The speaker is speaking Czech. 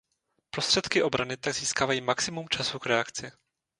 Prostředky obrany tak získávají maximum času k reakci.